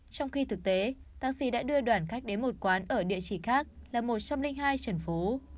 trong khi thực tế taxi đã đưa đoàn khách đến một quán ở địa chỉ khác là một trăm linh hai trần phú